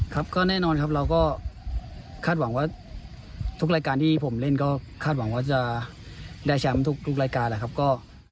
ครับก็แน่นอนครับเราก็คาดหวังว่าทุกรายการที่ผมเล่นก็คาดหวังว่าจะได้แชมป์ทุกรายการแหละครับ